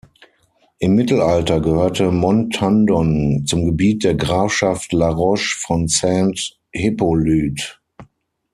Im Mittelalter gehörte Montandon zum Gebiet der Grafschaft La Roche von Saint-Hippolyte.